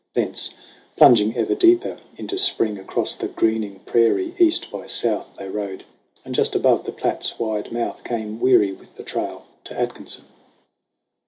Thence, plunging ever deeper into Spring, Across the greening prairie east by south They rode, and, just above the Platte's wide mouth, Came, weary with the trail, to Atkinson.